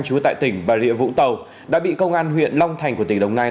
trú tại tỉnh bà rịa vũng tàu đã bị công an huyện long thành của tỉnh đồng nai